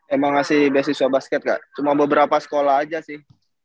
emang ngasih beasiswa basket gak cuma beberapa sekolah aja sih